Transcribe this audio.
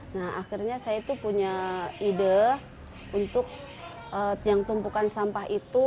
nah akhirnya saya tuh punya ide untuk yang tumpukan sampah itu